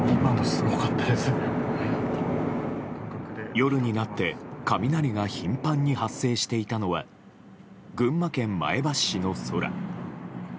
夜になって雷が頻繁に発生していたのは群馬県前橋市の空。